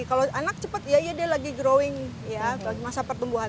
kalau anak cepat ya iya dia lagi growing ya masa pertumbuhan